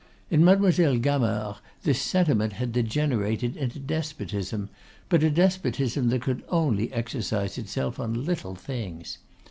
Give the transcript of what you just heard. In Mademoiselle Gamard this sentiment had degenerated into despotism, but a despotism that could only exercise itself on little things.